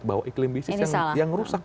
bahwa iklim bisnis yang rusak